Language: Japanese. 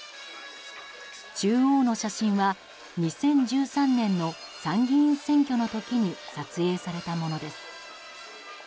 中央の写真は２０１３年の参議院選挙の時に撮影されたものです。